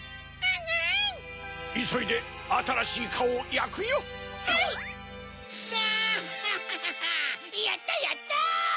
やったやった！